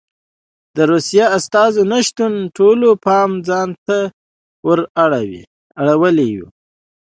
د روسیې استازو نه شتون ټولو پام ځان ته ور اړولی و